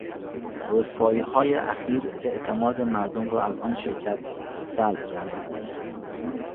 رسواییهای اخیر اعتماد مردم را از آن شرکت سلب کرده است.